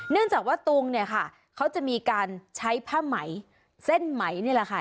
เนื่องจากว่าตุงเนี่ยค่ะเขาจะมีการใช้ผ้าไหมเส้นไหมนี่แหละค่ะ